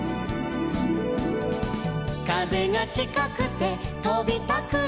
「風がちかくて飛びたくなるの」